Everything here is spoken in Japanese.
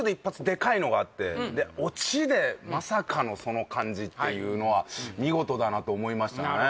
でかいのがあってオチでまさかのその感じっていうのは見事だなと思いましたね